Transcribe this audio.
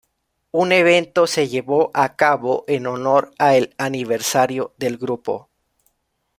Un evento se llevó a cabo en honor a el aniversario del grupo.